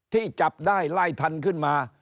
จับได้ไล่ทันขึ้นมา